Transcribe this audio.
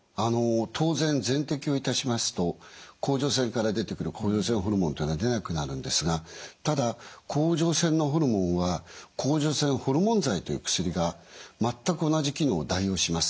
当然全摘をいたしますと甲状腺から出てくる甲状腺ホルモンというのは出なくなるんですがただ甲状腺のホルモンは甲状腺ホルモン剤という薬が全く同じ機能を代用します。